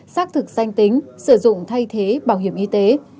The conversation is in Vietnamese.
xác thực danh tính sử dụng thay thế bảo hiểm y tế